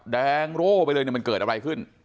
แดงโร่ไปเลยมันเกิดอะไรขึ้น